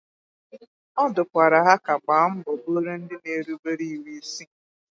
Ọ dụkwara ha ka gbaa mbọ bụrụ ndị na-erubere iwu isi